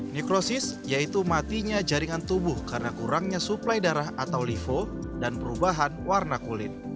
nikrosis yaitu matinya jaringan tubuh karena kurangnya suplai darah atau livo dan perubahan warna kulit